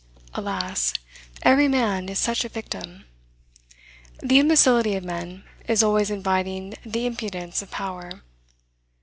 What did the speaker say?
Alas! every man is such a victim. The imbecility of men is always inviting the impudence of power.